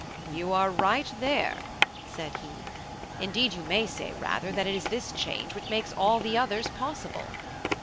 "You are right there," said he. "Indeed, you may say rather that it is this change which makes all the others possible.